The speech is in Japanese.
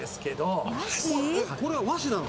石原：これは和紙なの？